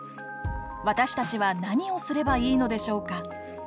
私たちは何をすればいいのでしょうか。